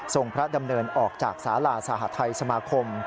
พระดำเนินออกจากสาลาสหทัยสมาคม